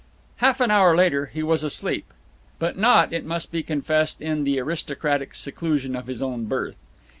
Half an hour later he was asleep. But not, it must be confessed, in the aristocratic seclusion of his own berth.